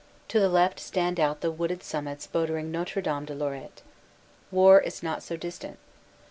To the left stand out the wooded sum mits bordering Notre Dame de Lorette. War is not so dis tant.